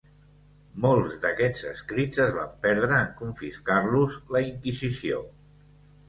Molts d'aquests escrits es van perdre, en confiscar-los la inquisició.